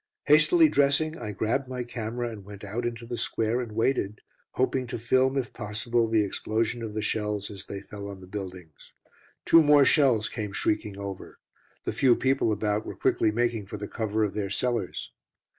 Hastily dressing, I grabbed my camera and went out into the square and waited, hoping to film, if possible, the explosion of the shells as they fell on the buildings. Two more shells came shrieking over. The few people about were quickly making for the cover of their cellars.